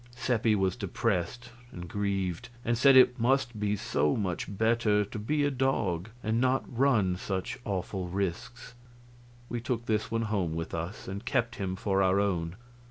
Seppi was depressed and grieved, and said it must be so much better to be a dog and not run such awful risks. We took this one home with us and kept him for our own.